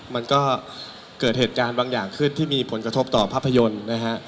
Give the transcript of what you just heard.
มันก็เกิดเหตุการณ์บางอย่างขึ้นที่มีผลกระทบต่อภาพยนตร์นะฮะ